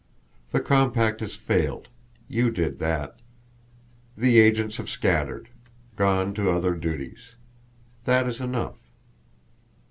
The compact has failed; you did that. The agents have scattered gone to other duties. That is enough."